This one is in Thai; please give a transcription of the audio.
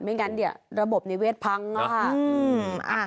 ไม่งั้นระบบนิเวศพังค่ะ